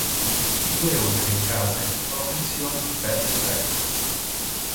Due o tre case sono pensioni "bed and breakfast".